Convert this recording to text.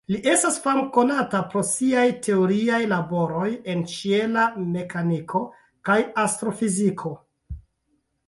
Li estas famkonata pro siaj teoriaj laboroj en ĉiela mekaniko kaj astrofiziko.